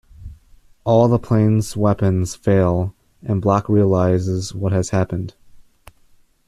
All the planes' weapons fail and Block realizes what has happened.